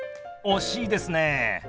惜しいですね。